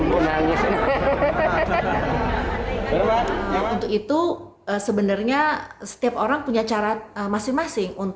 untuk itu sebenarnya setiap orang punya cara masing masing